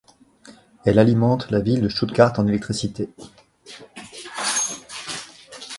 Elle alimente la ville de Stuttgart en électricité.